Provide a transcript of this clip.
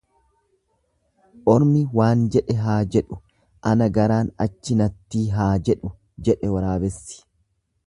Ormi waan jedhe haa jedhu ana garaan achi nattii haa jedhu jedhe waraabessi.